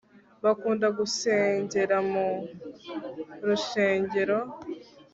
bakunda gusengera mu rusengero